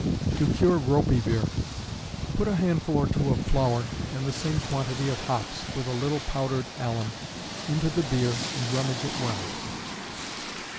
To Cure Ropy Beer. Put a handful or two of flour, and the same quantity of hops, with a little powdered alum, into the beer and rummage it well.